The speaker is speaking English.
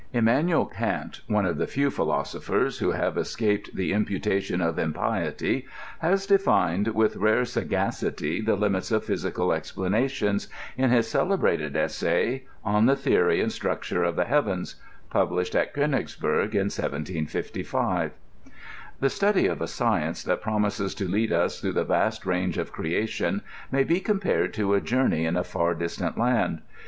Emanuel Kant, one of the few philosophers who have es caped the imputation of impiety, has defined with rare sagac ity the limits of physical explanations, in his celebrated essay On the Theory and Stntcture of the Heavens, published at Konigsberg in 1755. The study of a science that promises to lead us through the vast range of creation may be compared to a journey in a far distant land.